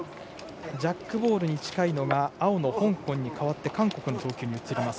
ジャックボールに近いのは青の香港に変わって韓国の投球に移ります。